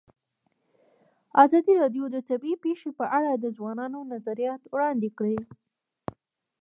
ازادي راډیو د طبیعي پېښې په اړه د ځوانانو نظریات وړاندې کړي.